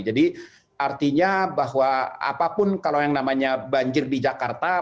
jadi artinya bahwa apapun kalau yang namanya banjir di jakarta